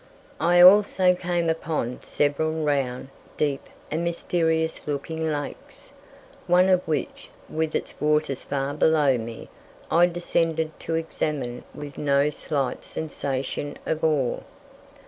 I also came upon several round, deep, and mysterious looking lakes, one of which, with its waters far below me, I descended to examine with no slight sensation of awe.